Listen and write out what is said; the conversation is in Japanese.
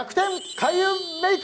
開運メイク！